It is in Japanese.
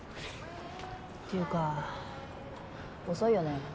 っていうか遅いよね。